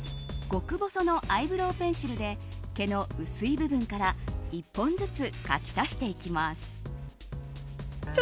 極細のアイブローペンシルで毛の薄い部分から１本ずつ描き足していきます。